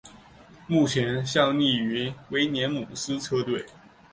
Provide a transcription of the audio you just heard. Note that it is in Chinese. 目前效力于威廉姆斯车队。